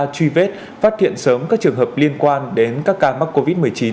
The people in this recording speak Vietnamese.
truy vết phát hiện sớm các trường hợp liên quan đến các ca mắc covid một mươi chín